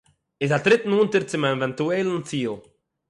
איז אַ טריט נאָענטער צום עווענטועלן ציל